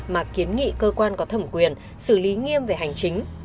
mà kiến nghị cơ quan có thẩm quyền xử lý nghiêm về hành chính